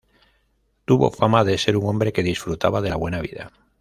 Tuvo fama de ser un hombre que disfrutaba de la buena vida.